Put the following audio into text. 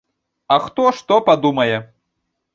А хто што падумае?